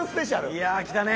いやきたね。